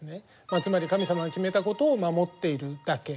まあつまり神様が決めたことを守っているだけ。